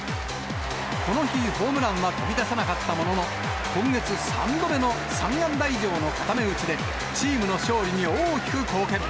この日、ホームランは飛び出さなかったものの、今月３度目の３安打以上の固め打ちで、チームの勝利に大きく貢献。